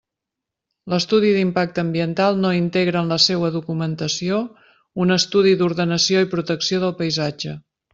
L'estudi d'impacte ambiental no integra en la seua documentació un estudi d'ordenació i protecció del paisatge.